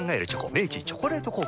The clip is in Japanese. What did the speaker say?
明治「チョコレート効果」